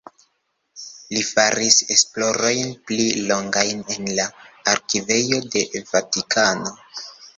Li faris esplorojn pli longajn en la arkivejo de Vatikano.